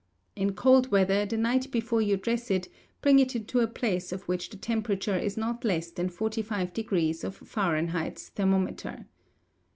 In cold weather, the night before you dress it, bring it into a place of which the temperature is not less than forty five degrees of Fahrenheit's thermometer.